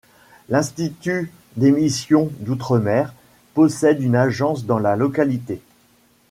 L'Institut d'émission d'outre-mer possède une agence dans la localité.